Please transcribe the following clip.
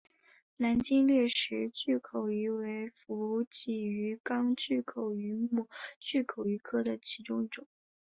南极掠食巨口鱼为辐鳍鱼纲巨口鱼目巨口鱼科的其中一种。